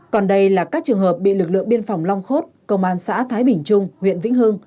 còn đây là các trường hợp bị lực lượng biên phòng long khốt công an xã thái bình trung huyện vĩnh hưng